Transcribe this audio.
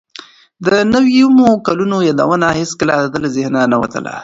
د نویمو کلونو یادونه هیڅکله د ده له ذهنه نه وتل.